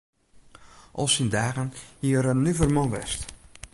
Al syn dagen hie er in nuver man west.